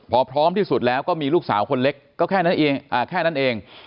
พอพร้อมที่สุดแล้วก็มีลูกสาวคนเล็กก็แค่นั่นเอง